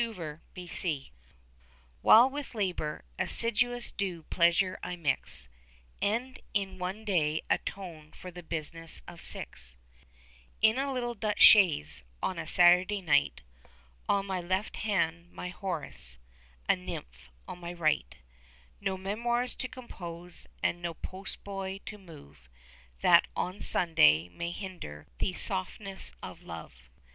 THE HAGUE While with labour assiduous due pleasure I mix, And in one day atone for the business of six, In a little Dutch chaise, on a Saturday night, On my left hand my Horace, a nymph on my right; No memoirs to compose, and no post boy to move, That on Sunday may hinder the softness of love.